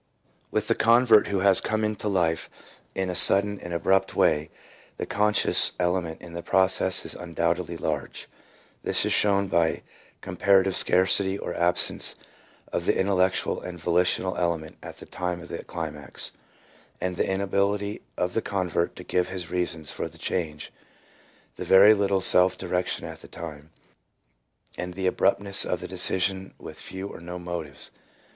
With the convert who has come into life in a sudden and abrupt way, the subconscious element in the process is undoubtedly large. This is shown by the comparative scarcity or absence of the in tellectual and volitional element at the time of the climax, and the inability of the convert to give his reasons for the change, the very little self direction at the time, and the abruptness of the decision with few or no motives.